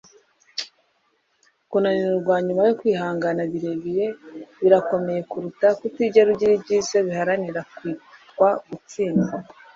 kunanirwa nyuma yo kwihangana birebire birakomeye kuruta kutigera ugira ibyiza biharanira kwitwa gutsindwa